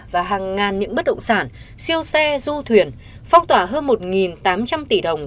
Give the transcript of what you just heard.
và hàng ngàn những bất động sản siêu xe du thuyền phong tỏa hơn một tám trăm linh tỷ đồng